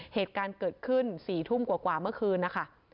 เหตุการณ์เกิดขึ้น๔ทุ่มกว่าเมื่อคืนนะคะ